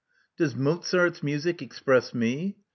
Does Mozart's music express me?